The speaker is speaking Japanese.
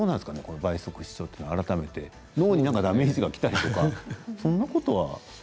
倍速視聴というのは脳にダメージがきたりとかそんなことは？